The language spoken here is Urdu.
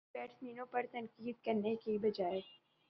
مگر ان بیٹسمینوں پر تنقید کرنے کے بجائے